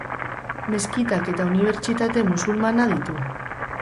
Meskitak eta unibertsitate musulmana ditu.